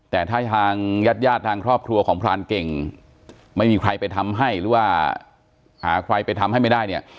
แต่ถ้าทางญาติญาติทางครอบครัวของพรานเก่งไม่มีใครไปทำให้หรือว่าหาใครไปทำให้ไม่ได้เนี่ย